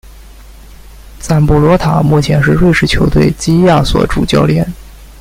赞布罗塔目前是瑞士球队基亚索主教练。